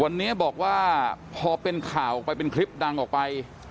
วันนี้บอกว่าพอเป็นข่าวออกไปเป็นคลิปดังออกไป